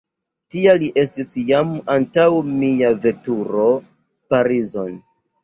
Tia li estis jam antaŭ mia veturo Parizon.